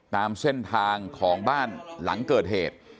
ตามเส้นทางของบ้านหลังเกิดเหตุ